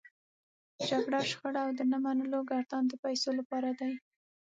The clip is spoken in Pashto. جګړه، شخړه او د نه منلو ګردان د پيسو لپاره دی.